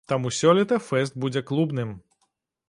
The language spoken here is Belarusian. Таму сёлета фэст будзе клубным.